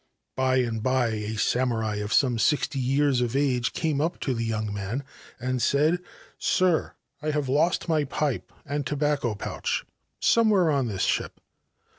By \ by a samurai of some sixty years of age came up to young man, and said : c Sir, I have lost my pipe and tobacco pouch somewli on this ship.